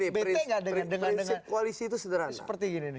prinsip koalisi itu sederhana